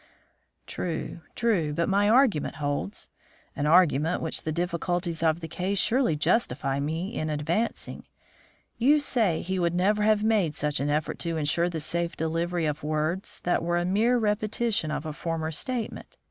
"True, true, but my argument holds; an argument which the difficulties of the case surely justify me in advancing. You say he would never have made such an effort to insure the safe delivery of words that were a mere repetition of a former statement.